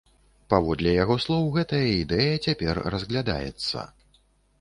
Паводле яго слоў, гэтая ідэя цяпер разглядаецца.